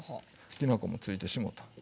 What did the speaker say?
きな粉もついてしもうた。